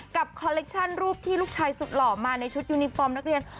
คอลเลคชั่นรูปที่ลูกชายสุดหล่อมาในชุดยูนิฟอร์มนักเรียน